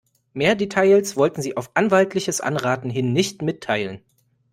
Mehr Details wollten sie auf anwaltliches Anraten hin nicht mitteilen.